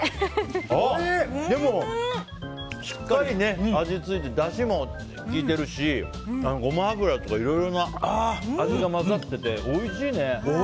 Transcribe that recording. でもしっかり味がついてだしも効いてるしゴマ油とか、いろいろな味が混ざってておいしいね！